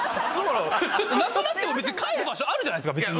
なくなっても別に帰る場所あるじゃないですか。